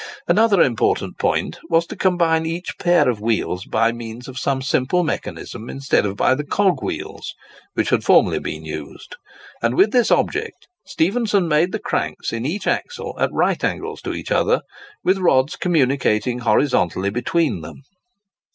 Another important point was, to combine each pair of wheels by means of some simple mechanism instead of by the cogwheels which had formerly been used. And, with this object, Stephenson made cranks in each axle at right angles to each other, with rods communicating horizontally between them.